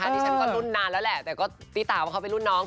ดิฉันก็รุ่นนานแล้วแหละแต่ก็ตีตาว่าเขาเป็นรุ่นน้อง